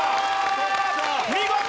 見事！